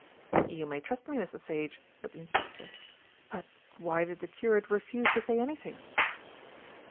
"You may trust me, Mr. Sage," said the inspector. "But why did the curate refuse to say anything?"